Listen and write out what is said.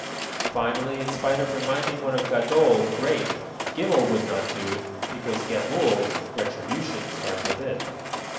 Finally, in spite of reminding one of Gadol, great, Gimel would not do, because Gemul, retribution, starts with it.